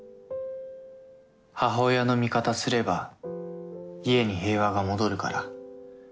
母親の味方すれば家に平和が戻るから。